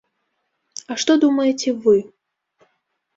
А што думаеце вы?